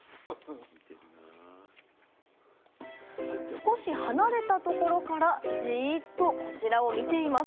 少し離れたところから、じーっとこちらを見ています。